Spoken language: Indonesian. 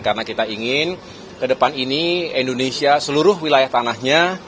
karena kita ingin ke depan ini indonesia seluruh wilayah tanahnya